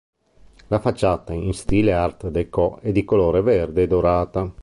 La facciata, in stile art déco, è di color verde e dorata.